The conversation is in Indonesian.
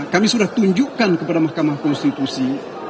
kami sudah tunjukkan kepada mahkamah konstitusi